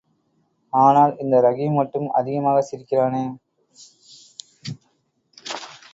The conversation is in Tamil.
ஆனால் இந்த ரஹீம் மட்டும் அதிகமாகச் சிரிக்கிறானே...?